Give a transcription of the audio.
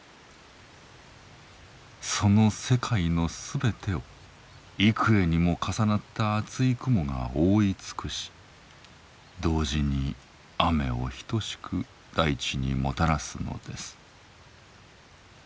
その世界のすべてを幾重にも重なった厚い雲が覆い尽くし同時に雨を等しく大地にもたらすのです。